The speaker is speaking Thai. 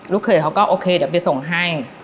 เขยเขาก็โอเคเดี๋ยวไปส่งให้